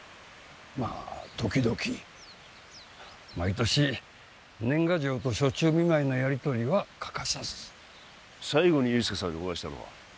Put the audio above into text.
まあ時々毎年年賀状と暑中見舞いのやりとりは欠かさず最後に憂助さんにお会いしたのは？